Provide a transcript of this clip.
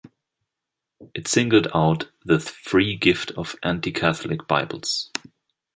It singled out the free gift of anti-Catholic Bibles.